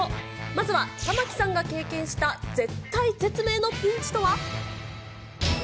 まずは玉木さんが経験した、絶体絶命のピンチとは。